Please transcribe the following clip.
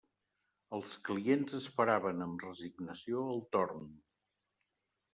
Els clients esperaven amb resignació el torn.